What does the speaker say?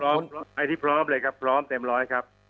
ไอ้ที่พร้อมเลยครับพร้อมเต็มร้อยครับ